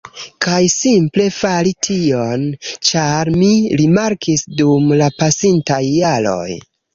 Kaj simple fari tion, ĉar mi rimarkis dum la pasintaj jaroj